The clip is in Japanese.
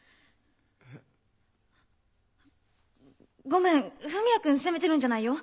ごめん文也君責めてるんじゃないよ。